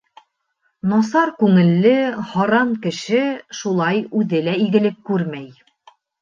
Насар күңелле, һаран кеше шулай үҙе лә игелек күрмәй.